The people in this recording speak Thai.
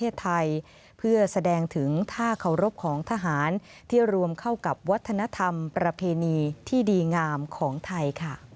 แสดงถึงท่าเคารพของทหารที่รวมเข้ากับวัฒนธรรมประเพณีที่ดีงามของไทย